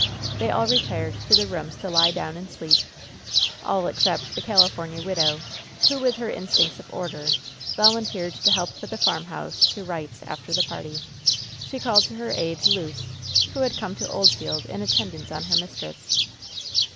They all retired to their rooms to lie down and sleep — ^all except the California widow, who, ^ with her instincts of order, volunteered to help to put the farmhouse "to rights" after the party. She called to her aid Luce, who had come to Oldfield in attendance on her mistress.'